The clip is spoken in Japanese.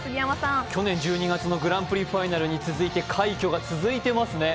去年１２月のグランプリファイナルに続いて快挙が続いてますね。